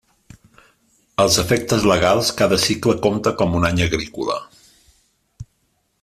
Als efectes legals, cada cicle compta com un any agrícola.